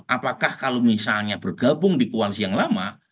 apakah kalau misalnya bergabung di koalisi yang lama